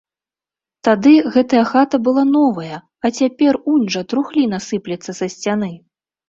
Тады гэтая хата была новая, а цяпер унь жа трухліна сыплецца са сцяны!